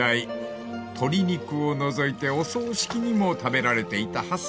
［鶏肉を除いてお葬式にも食べられていた八寸］